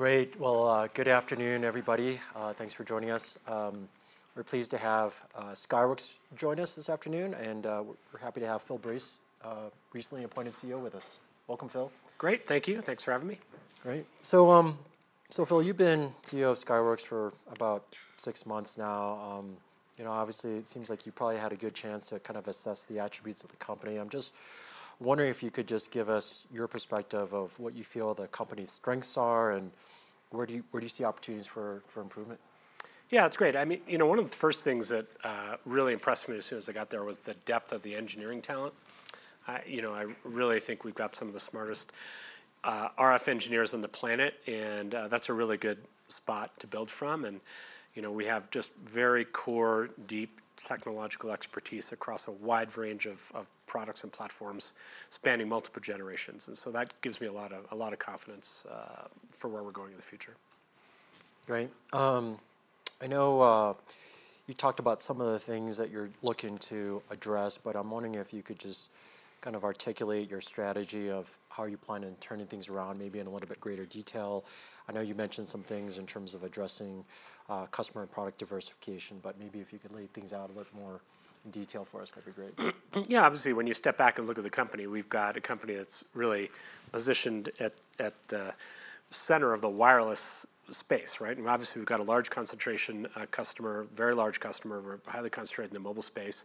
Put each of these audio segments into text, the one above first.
Great. Good afternoon, everybody. Thanks for joining us. We're pleased to have Skyworks join us this afternoon, and we're happy to have Phil Brace, recently appointed CEO, with us. Welcome, Phil. Great, thank you. Thanks for having me. Great. Philip, you've been CEO of Skyworks for about six months now. You know, obviously, it seems like you probably had a good chance to kind of assess the attributes of the company. I'm just wondering if you could just give us your perspective of what you feel the company's strengths are and where do you see opportunities for improvement? Yeah, it's great. I mean, one of the first things that really impressed me as soon as I got there was the depth of the engineering talent. I really think we've got some of the smartest RF engineers on the planet, and that's a really good spot to build from. We have just very core, deep technological expertise across a wide range of products and platforms spanning multiple generations. That gives me a lot of confidence for where we're going in the future. Great. I know you talked about some of the things that you're looking to address, but I'm wondering if you could just kind of articulate your strategy of how you plan on turning things around, maybe in a little bit greater detail. I know you mentioned some things in terms of addressing customer product diversification, but maybe if you could lay things out a little bit more in detail for us, that'd be great. Yeah, obviously, when you step back and look at the company, we've got a company that's really positioned at the center of the wireless space, right? Obviously, we've got a large concentration customer, a very large customer. We're highly concentrated in the mobile space.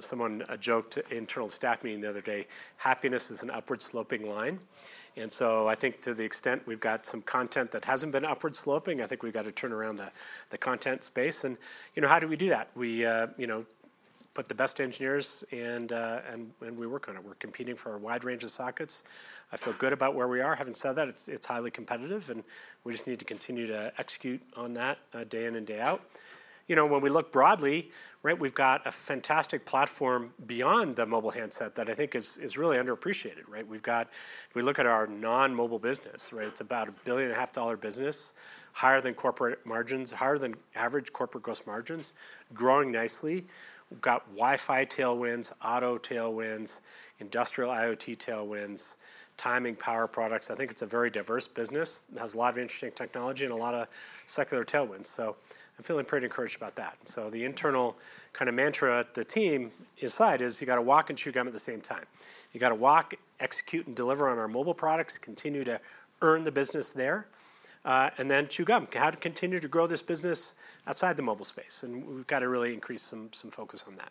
Someone joked at an internal staff meeting the other day, "Happiness is an upward sloping line." I think to the extent we've got some content that hasn't been upward sloping, we've got to turn around the content space. How do we do that? We put the best engineers and we work on it. We're competing for a wide range of sockets. I feel good about where we are. Having said that, it's highly competitive, and we just need to continue to execute on that day in and day out. When we look broadly, we've got a fantastic platform beyond the mobile handset that I think is really underappreciated, right? If we look at our non-mobile business, it's about a $1.5 billion business, higher than corporate margins, higher than average corporate gross margins, growing nicely. We've got Wi-Fi tailwinds, auto tailwinds, industrial IoT tailwinds, timing power products. I think it's a very diverse business. It has a lot of interesting technology and a lot of secular tailwinds. I'm feeling pretty encouraged about that. The internal kind of mantra at the team inside is you got to walk and chew gum at the same time. You got to walk, execute, and deliver on our mobile products, continue to earn the business there, and then chew gum. How to continue to grow this business outside the mobile space. We've got to really increase some focus on that.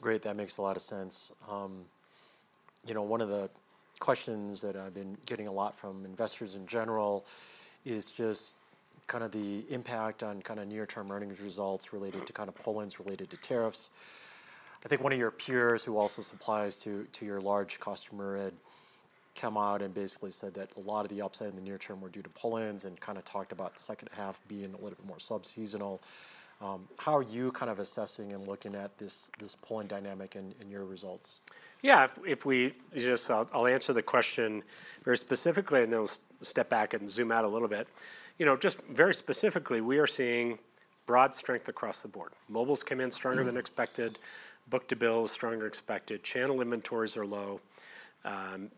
Great. That makes a lot of sense. One of the questions that I've been getting a lot from investors in general is just kind of the impact on kind of near-term earnings results related to kind of pull-ins related to tariffs. I think one of your peers, who also supplies to your large customer, had come out and basically said that a lot of the upside in the near term were due to pull-ins and kind of talked about the second half being a little bit more subseasonal. How are you kind of assessing and looking at this pull-in dynamic in your results? Yeah, if we just, I'll answer the question very specifically, and then we'll step back and zoom out a little bit. You know, just very specifically, we are seeing broad strength across the board. Mobile's come in stronger than expected. Book-to-bill is stronger than expected. Channel inventories are low.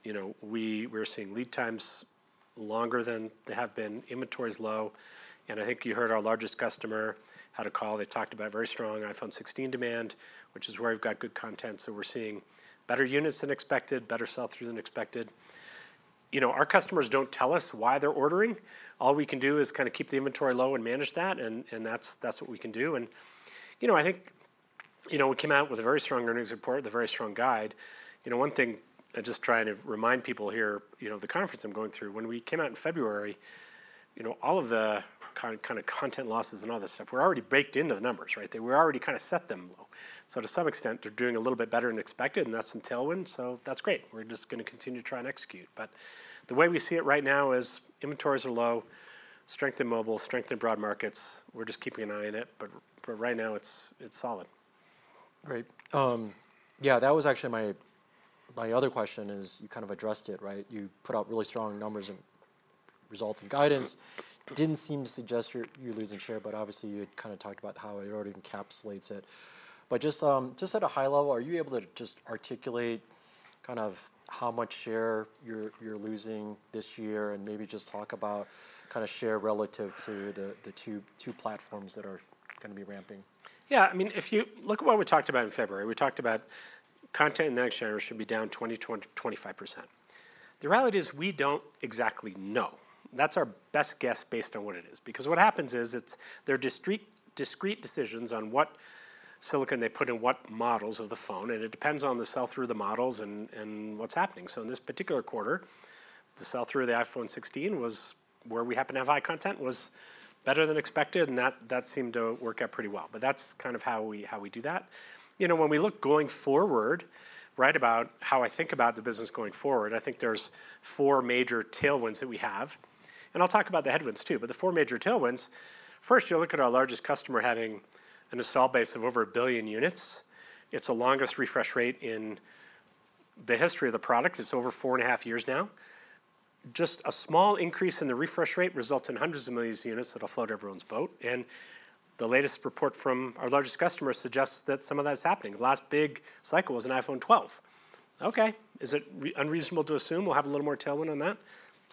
You know, we're seeing lead times longer than they have been. Inventory is low. I think you heard our largest customer, how to call, they talked about very strong iPhone 16 demand, which is where we've got good content. We're seeing better units than expected, better sell-through than expected. You know, our customers don't tell us why they're ordering. All we can do is kind of keep the inventory low and manage that, and that's what we can do. I think, you know, we came out with a very strong earnings report, the very strong guide. One thing I just try to remind people here, you know, the conference I'm going through, when we came out in February, you know, all of the kind of content losses and all this stuff, were already baked into the numbers, right? We already kind of set them low. To some extent, they're doing a little bit better than expected, and that's in tailwinds. That's great. We're just going to continue to try and execute. The way we see it right now is inventories are low, strength in mobile, strength in broad markets. We're just keeping an eye on it. For right now, it's solid. Great. That was actually my other question. You kind of addressed it, right? You put out really strong numbers and results and guidance. It didn't seem to suggest you're losing share, but you had talked about how it already encapsulates it. At a high level, are you able to articulate how much share you're losing this year and maybe talk about share relative to the two platforms that are going to be ramping? Yeah, I mean, if you look at what we talked about in February, we talked about content in the next generation should be down 20%-25%. The reality is we don't exactly know. That's our best guess based on what it is. What happens is they're discrete decisions on what silicon they put in what models of the phone, and it depends on the sell-through of the models and what's happening. In this particular quarter, the sell-through of the iPhone 16, where we happened to have high content, was better than expected, and that seemed to work out pretty well. That's kind of how we do that. When we look going forward, about how I think about the business going forward, I think there's four major tailwinds that we have. I'll talk about the headwinds too, but the four major tailwinds. First, you look at our largest customer having an install base of over a billion units. It's the longest refresh rate in the history of the product. It's over four and a half years now. Just a small increase in the refresh rate results in hundreds of millions of units that'll float everyone's boat. The latest report from our largest customer suggests that some of that is happening. The last big cycle was an iPhone 12. Is it unreasonable to assume we'll have a little more tailwind on that?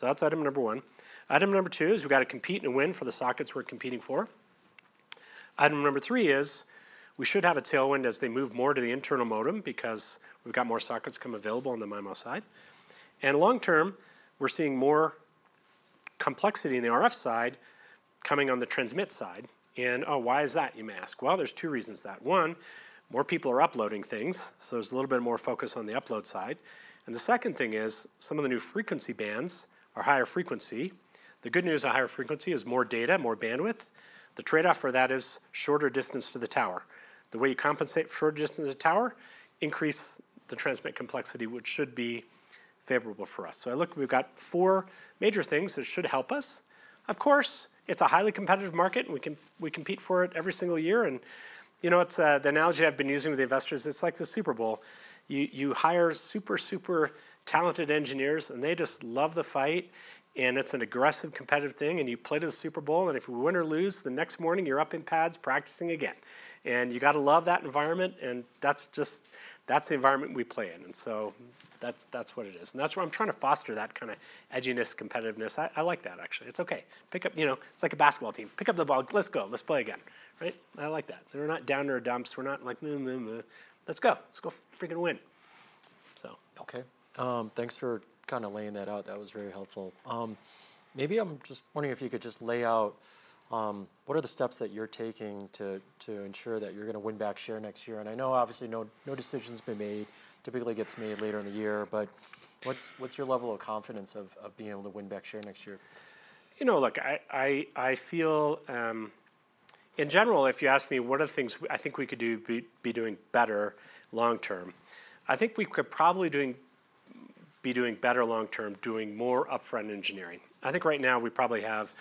That's item number one. Item number two is we've got to compete and win for the sockets we're competing for. Item number three is we should have a tailwind as they move more to the internal modem because we've got more sockets come available on the MIMO side. Long term, we're seeing more complexity in the RF side coming on the transmit side. Why is that, you may ask? There are two reasons for that. One, more people are uploading things, so there's a little bit more focus on the upload side. The second thing is some of the new frequency bands are higher frequency. The good news is a higher frequency is more data, more bandwidth. The trade-off for that is shorter distance to the tower. The way you compensate for a distance to the tower increases the transmit complexity, which should be favorable for us. We've got four major things that should help us. Of course, it's a highly competitive market. We compete for it every single year. The analogy I've been using with the investors is like the Super Bowl. You hire super, super talented engineers, and they just love the fight. It's an aggressive, competitive thing. You play to the Super Bowl. If you win or lose, the next morning you're up in pads practicing again. You got to love that environment. That's just the environment we play in. That's what it is. That's what I'm trying to foster, that kind of edginess, competitiveness. I like that, actually. It's okay. Pick up, you know, it's like a basketball team. Pick up the ball. Let's go. Let's play again. Right? I like that. We're not down to our dumps. We're not like, let's go. Let's go freaking win. Okay. Thanks for kind of laying that out. That was very helpful. Maybe I'm just wondering if you could just lay out what are the steps that you're taking to ensure that you're going to win back share next year. I know obviously no decision's been made. Typically gets made later in the year. What's your level of confidence of being able to win back share next year? You know, look, I feel in general, if you ask me what are the things I think we could be doing better long term, I think we could probably be doing better long term, doing more upfront engineering. I think right now we probably have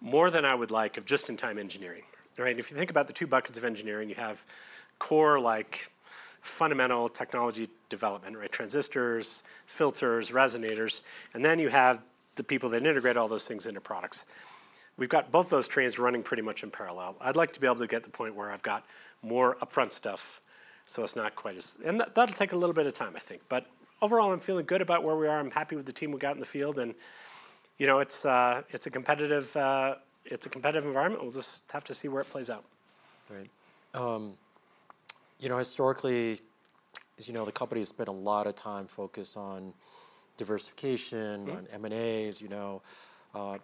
more than I would like of just-in-time engineering. If you think about the two buckets of engineering, you have core like fundamental technology development, transistors, filters, resonators, and then you have the people that integrate all those things into products. We've got both those trains running pretty much in parallel. I'd like to be able to get to the point where I've got more upfront stuff so it's not quite as, and that'll take a little bit of time, I think. Overall, I'm feeling good about where we are. I'm happy with the team we've got in the field. You know, it's a competitive environment. We'll just have to see where it plays out. All right. You know, historically, as you know, the company has spent a lot of time focused on diversification, on M&A.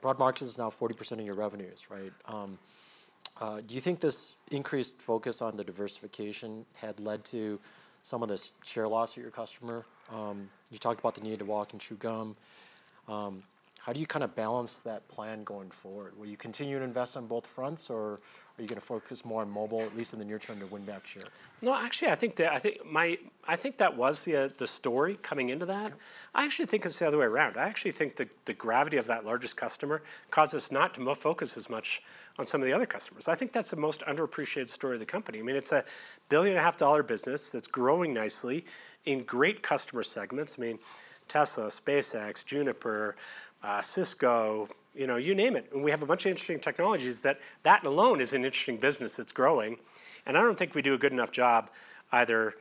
Broad margins now 40% of your revenues, right? Do you think this increased focus on the diversification had led to some of this share loss at your customer? You talked about the need to walk and chew gum. How do you kind of balance that plan going forward? Will you continue to invest on both fronts, or are you going to focus more on mobile, at least in the near term, to win back share? No, actually, I think that was the story coming into that. I actually think it's the other way around. I actually think the gravity of that largest customer caused us not to focus as much on some of the other customers. I think that's the most underappreciated story of the company. I mean, it's a $1.5 billion business that's growing nicely in great customer segments. I mean, Tesla, SpaceX, Juniper, Cisco, you know, you name it. We have a bunch of interesting technologies that alone is an interesting business that's growing. I don't think we do a good enough job either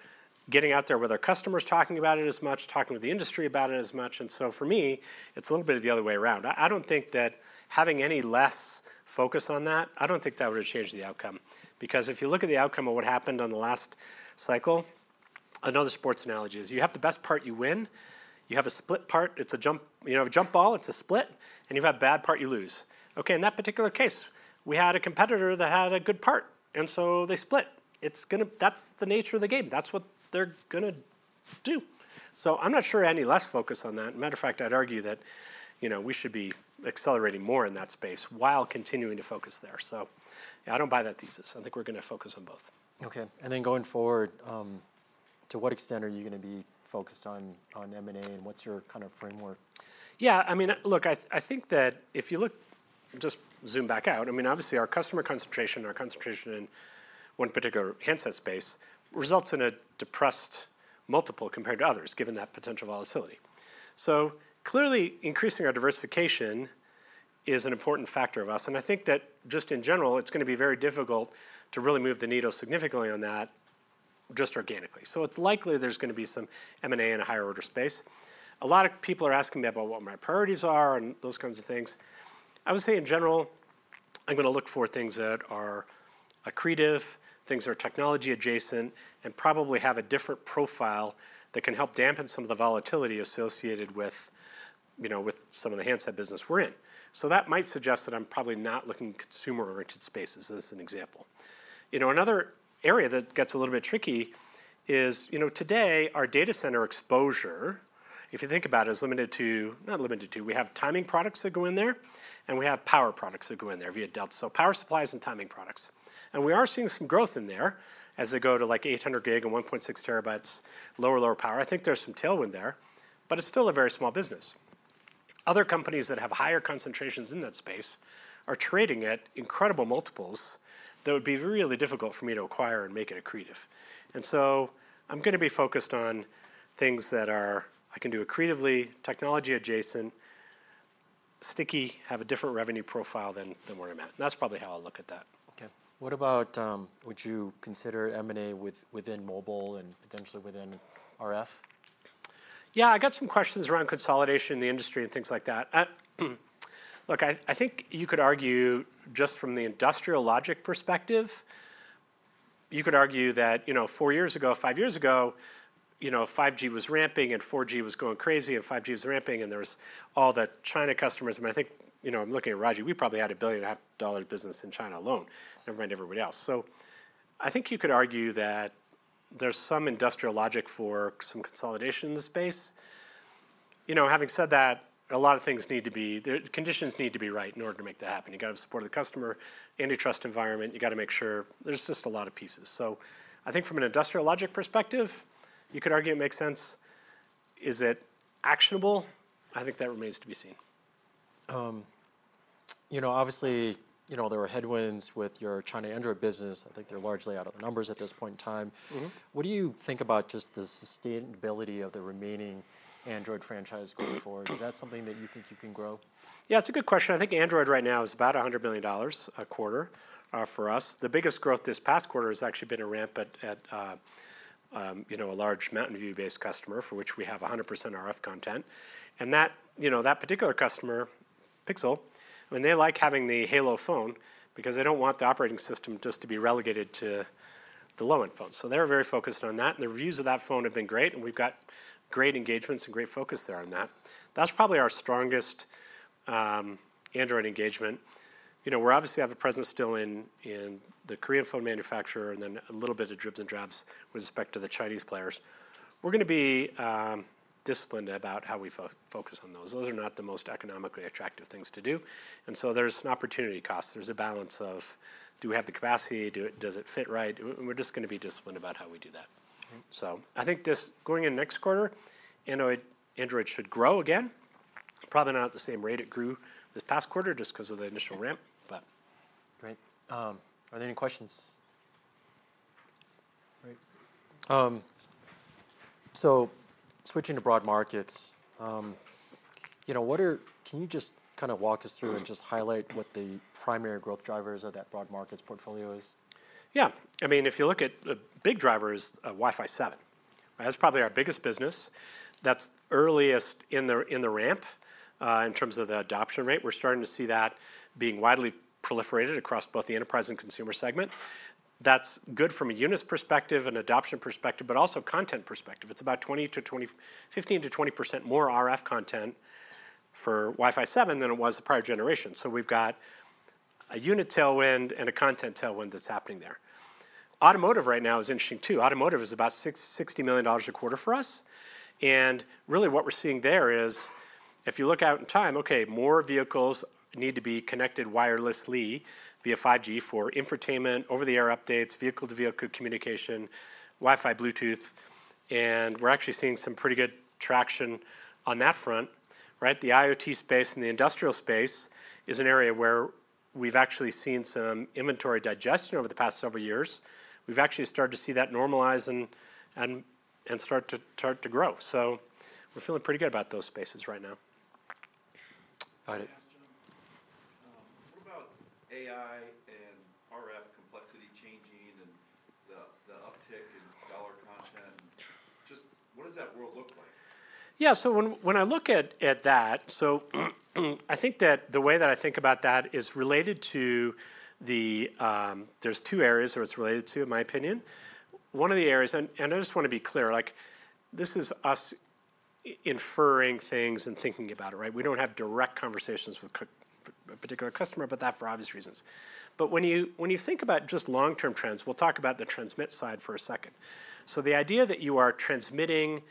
getting out there with our customers talking about it as much, talking with the industry about it as much. For me, it's a little bit of the other way around. I don't think that having any less focus on that, I don't think that would have changed the outcome. Because if you look at the outcome of what happened on the last cycle, another sports analogy is you have the best part, you win. You have a split part, it's a jump, you know, a jump ball, it's a split, and you've had a bad part, you lose. In that particular case, we had a competitor that had a good part, and so they split. It's going to, that's the nature of the game. That's what they're going to do. I'm not sure any less focused on that. Matter of fact, I'd argue that we should be accelerating more in that space while continuing to focus there. Yeah, I don't buy that thesis. I think we're going to focus on both. Okay. Going forward, to what extent are you going to be focused on M&A, and what's your kind of framework? Yeah, I mean, look, I think that if you look, just zoom back out, obviously our customer concentration, our concentration in one particular handset space results in a depressed multiple compared to others, given that potential volatility. Clearly, increasing our diversification is an important factor for us. I think that just in general, it's going to be very difficult to really move the needle significantly on that just organically. It's likely there's going to be some M&A in a higher order space. A lot of people are asking me about what my priorities are and those kinds of things. I would say in general, I'm going to look for things that are accretive, things that are technology adjacent, and probably have a different profile that can help dampen some of the volatility associated with, you know, with some of the handset business we're in. That might suggest that I'm probably not looking at consumer-oriented spaces as an example. Another area that gets a little bit tricky is, you know, today our data center exposure, if you think about it, is limited to, not limited to, we have timing products that go in there, and we have power products that go in there via Delta. Power supplies and timing products. We are seeing some growth in there as they go to like 800 gig and 1.6 TB, lower, lower power. I think there's some tailwind there, but it's still a very small business. Other companies that have higher concentrations in that space are trading at incredible multiples that would be really difficult for me to acquire and make it accretive. I'm going to be focused on things that are, I can do accretively, technology adjacent, sticky, have a different revenue profile than where I'm at. That's probably how I'll look at that. Okay. What about, would you consider M&A within mobile and potentially within RF? Yeah, I got some questions around consolidation in the industry and things like that. Look, I think you could argue just from the industrial logic perspective, you could argue that, you know, four years ago, five years ago, 5G was ramping and 4G was going crazy and 5G was ramping and there was all the China customers. I think, you know, I'm looking at Raji, we probably had a $1.5 billion business in China alone, never mind everybody else. I think you could argue that there's some industrial logic for some consolidation in the space. Having said that, a lot of things need to be, the conditions need to be right in order to make that happen. You got to have support of the customer, antitrust environment, you got to make sure there's just a lot of pieces. I think from an industrial logic perspective, you could argue it makes sense. Is it actionable? I think that remains to be seen. Obviously, there were headwinds with your China Android business. I think they're largely out of the numbers at this point in time. What do you think about just the sustainability of the remaining Android franchise going forward? Is that something that you think you can grow? Yeah, it's a good question. I think Android right now is about $100 million a quarter for us. The biggest growth this past quarter has actually been a ramp at, you know, a large Mountain View-based customer for which we have 100% RF content. That particular customer, Pixel, I mean, they like having the Halo phone because they don't want the operating system just to be relegated to the low-end phone. They're very focused on that. The reviews of that phone have been great. We've got great engagements and great focus there on that. That's probably our strongest Android engagement. We obviously have a presence still in the Korean phone manufacturer and then a little bit of dribs and drabs with respect to the Chinese players. We're going to be disciplined about how we focus on those. Those are not the most economically attractive things to do, so there's an opportunity cost. There's a balance of do we have the capacity, does it fit right, and we're just going to be disciplined about how we do that. I think this going into next quarter, Android should grow again, probably not at the same rate it grew this past quarter just because of the initial ramp. Right. Are there any questions? Great. Switching to broad markets, can you just kind of walk us through and highlight what the primary growth drivers of that broad markets portfolio is? Yeah, I mean, if you look at the big drivers, Wi-Fi 7. That's probably our biggest business. That's earliest in the ramp in terms of the adoption rate. We're starting to see that being widely proliferated across both the enterprise and consumer segment. That's good from a unit perspective and adoption perspective, but also content perspective. It's about 15%-20% more RF content for Wi-Fi 7 than it was the prior generation. We've got a unit tailwind and a content tailwind that's happening there. Automotive right now is interesting too. Automotive is about $60 million a quarter for us. What we're seeing there is if you look out in time, more vehicles need to be connected wirelessly via 5G for infotainment, over-the-air updates, vehicle-to-vehicle communication, Wi-Fi, Bluetooth. We're actually seeing some pretty good traction on that front. The IoT space and the industrial space is an area where we've actually seen some inventory digestion over the past several years. We've actually started to see that normalize and start to grow. We're feeling pretty good about those spaces right now. Got it. What about AI and RF complexity changing and the uptick in value content? Just what does that world look like? Yeah, when I look at that, I think the way that I think about that is related to two areas, in my opinion. One of the areas, and I just want to be clear, this is us inferring things and thinking about it, right? We don't have direct conversations with a particular customer about that for obvious reasons. When you think about just long-term trends, we'll talk about the transmit side for a second. The idea that you are transmitting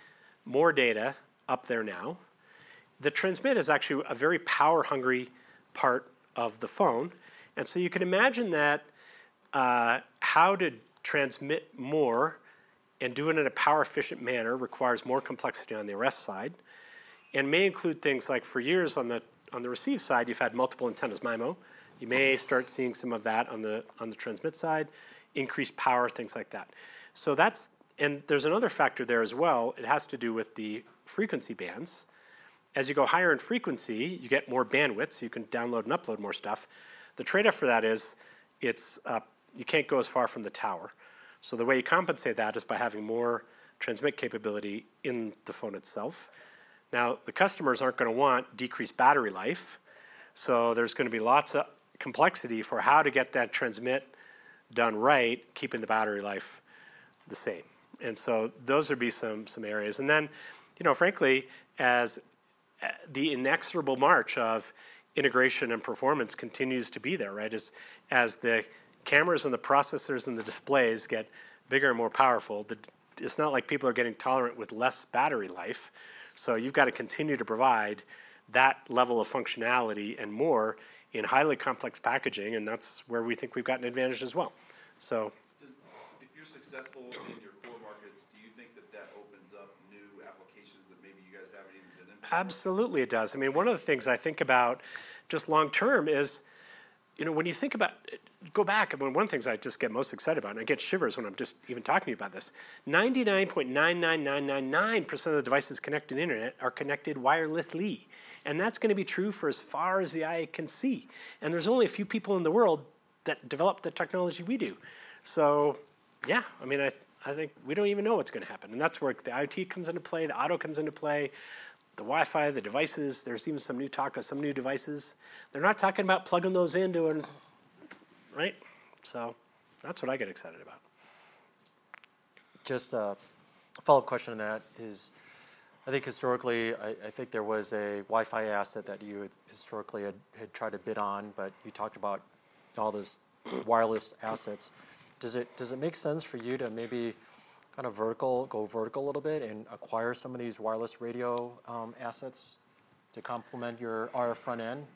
more data up there now, the transmit is actually a very power-hungry part of the phone. You can imagine that how to transmit more and do it in a power-efficient manner requires more complexity on the RF side and may include things like for years on the receive side, you've had multiple antennas, MIMO. You may start seeing some of that on the transmit side, increased power, things like that. There's another factor there as well. It has to do with the frequency bands. As you go higher in frequency, you get more bandwidth, so you can download and upload more stuff. The trade-off for that is you can't go as far from the tower. The way you compensate that is by having more transmit capability in the phone itself. Customers aren't going to want decreased battery life. There's going to be lots of complexity for how to get that transmit done right, keeping the battery life the same. Those would be some areas. Frankly, as the inexorable march of integration and performance continues to be there, as the cameras and the processors and the displays get bigger and more powerful, it's not like people are getting tolerant with less battery life. You've got to continue to provide that level of functionality and more in highly complex packaging. That's where we think we've got an advantage as well. If you're successful in your core markets, do you think that that opens up new applications that maybe you guys haven't even been in? Absolutely, it does. I mean, one of the things I think about just long term is, you know, when you think about, go back, one of the things I just get most excited about, and I get shivers when I'm just even talking about this, 99.99999% of the devices connected to the internet are connected wirelessly. That's going to be true for as far as the eye can see. There's only a few people in the world that develop the technology we do. Yeah, I mean, I think we don't even know what's going to happen. That's where the IoT comes into play, the auto comes into play, the Wi-Fi, the devices. There's even some new talk of some new devices. They're not talking about plugging those into an, right? That's what I get excited about. Just a follow-up question on that is, I think historically, I think there was a Wi-Fi asset that you historically had tried to bid on, but you talked about all those wireless assets. Does it make sense for you to maybe kind of go vertical a little bit and acquire some of these wireless radio assets to complement your RF front end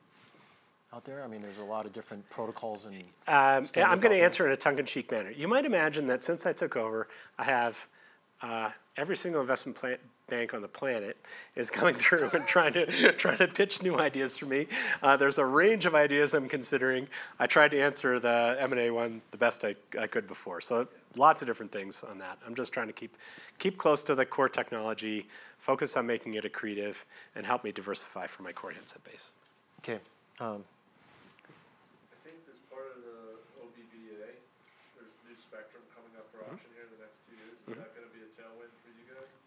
out there? I mean, there's a lot of different protocols. I'm going to answer in a tongue-in-cheek manner. You might imagine that since I took over, I have every single investment bank on the planet going through and trying to pitch new ideas for me. There's a range of ideas I'm considering. I tried to answer the M&A one the best I could before. Lots of different things on that. I'm just trying to keep close to the core technology, focus on making it accretive, and help me diversify for my core handset base. Okay. I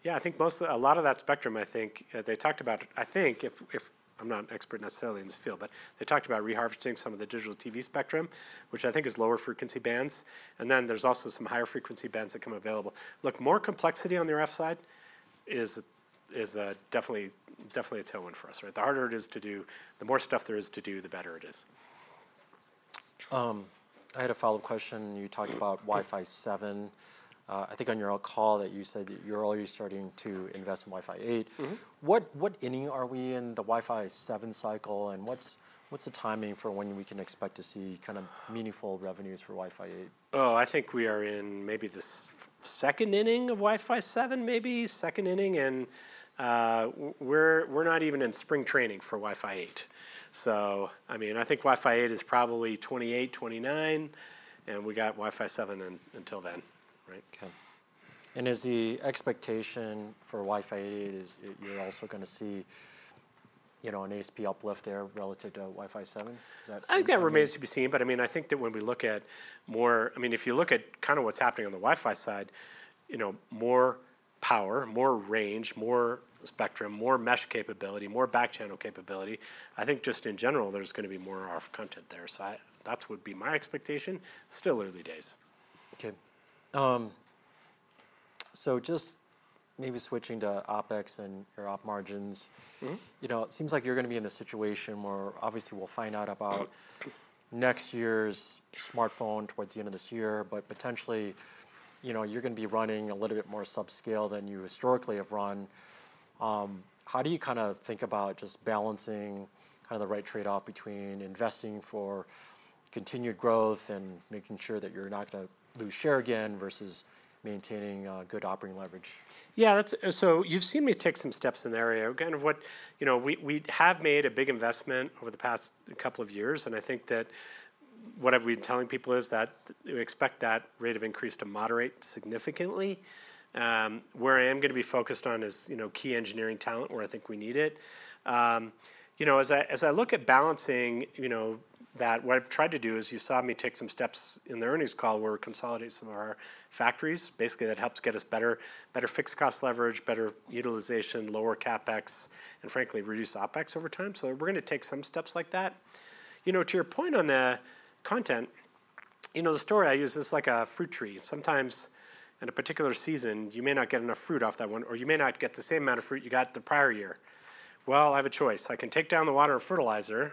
think this part of the [OBVA], there's a new spectrum coming up for auction here in the next two. Yeah, I think most of a lot of that spectrum, I think they talked about, I think if I'm not an expert necessarily in this field, but they talked about reharvesting some of the digital TV spectrum, which I think is lower frequency bands. There's also some higher frequency bands that come available. Look, more complexity on the RF side is definitely, definitely a tailwind for us, right? The harder it is to do, the more stuff there is to do, the better it is. I had a follow-up question. You talked about Wi-Fi 7. I think on your call that you said that you're already starting to invest in Wi-Fi 8. What inning are we in the Wi-Fi 7 cycle? What's the timing for when we can expect to see kind of meaningful revenues for Wi-Fi 8? I think we are in maybe the second inning of Wi-Fi 7, maybe second inning. We're not even in spring training for Wi-Fi 8. I think Wi-Fi 8 is probably 2028, 2029, and we got Wi-Fi 7 until then. Right. Is the expectation for Wi-Fi 8 that you're also going to see an ASP uplift there relative to Wi-Fi 7? I think that remains to be seen. I think that when we look at more, if you look at kind of what's happening on the Wi-Fi side, you know, more power, more range, more spectrum, more mesh capability, more back channel capability. I think just in general, there's going to be more RF content there. That would be my expectation, still early days. Okay. Just maybe switching to OpEx and your operating margins, it seems like you're going to be in a situation where obviously we'll find out about next year's smartphone towards the end of this year, but potentially you're going to be running a little bit more subscale than you historically have run. How do you kind of think about just balancing the right trade-off between investing for continued growth and making sure that you're not going to lose share again versus maintaining a good operating leverage? Yeah, so you've seen me take some steps in the area. Again, what, you know, we have made a big investment over the past couple of years. I think that what we're telling people is that we expect that rate of increase to moderate significantly. Where I am going to be focused on is, you know, key engineering talent where I think we need it. As I look at balancing, you know, that what I've tried to do is you saw me take some steps in the earnings call where we consolidate some of our factories. Basically, that helps get us better fixed cost leverage, better utilization, lower CapEx, and frankly, reduce OpEx over time. We're going to take some steps like that. To your point on the content, the story I use is like a fruit tree. Sometimes in a particular season, you may not get enough fruit off that one, or you may not get the same amount of fruit you got the prior year. I have a choice. I can take down the water and fertilizer,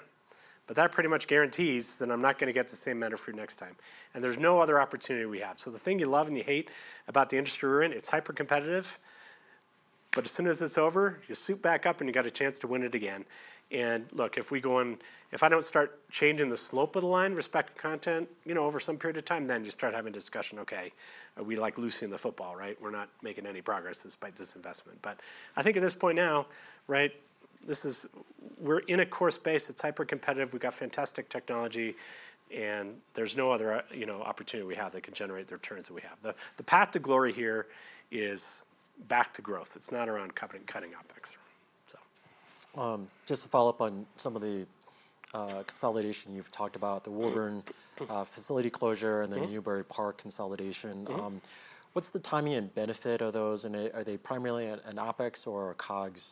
but that pretty much guarantees that I'm not going to get the same amount of fruit next time. There's no other opportunity we have. The thing you love and you hate about the industry we're in, it's hyper competitive. As soon as it's over, you suit back up and you got a chance to win it again. Look, if we go on, if I don't start changing the slope of the line, respect the content, you know, over some period of time, then you start having a discussion. Okay, we like loosening the football, right? We're not making any progress despite this investment. I think at this point now, right, this is, we're in a course base, it's hyper competitive, we've got fantastic technology, and there's no other opportunity we have that could generate the returns that we have. The path to glory here is back to growth. It's not around cutting OpEx. Just to follow up on some of the consolidation you've talked about, the Woburn facility closure and the Newbury Park consolidation, what's the timing and benefit of those? Are they primarily an OpEx or a COGS?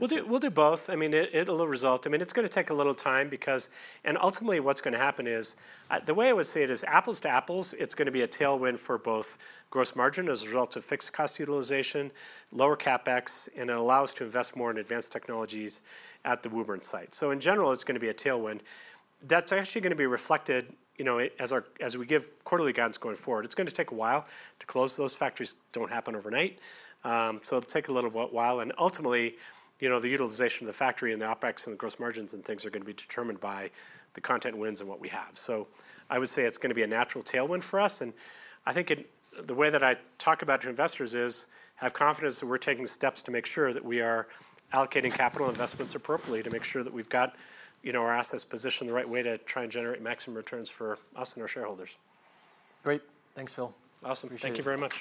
It'll result, I mean, it's going to take a little time because, and ultimately what's going to happen is, the way I would say it is apples to apples, it's going to be a tailwind for both gross margin as a result of fixed cost utilization, lower CapEx, and it allows us to invest more in advanced technologies at the Woburn site. In general, it's going to be a tailwind. That's actually going to be reflected, you know, as we give quarterly guidance going forward. It's going to take a while to close those factories, they don't happen overnight. It'll take a little while, and ultimately, you know, the utilization of the factory and the OpEx and the gross margins and things are going to be determined by the content wins and what we have. I would say it's going to be a natural tailwind for us. I think the way that I talk about to investors is have confidence that we're taking steps to make sure that we are allocating capital investments appropriately to make sure that we've got, you know, our assets positioned the right way to try and generate maximum returns for us and our shareholders. Great. Thanks, Phil. Awesome. Thank you very much.